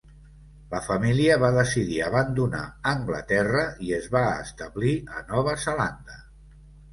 La família va decidir abandonar Anglaterra i es va establir a Nova Zelanda.